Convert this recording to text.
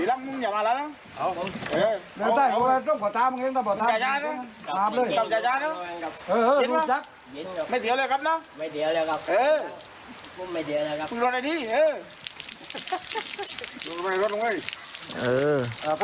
ราดไปเลยห้าขันน้ำเย็นอ่ะเป็นน้ำเย็นจัดด้วยนะคะ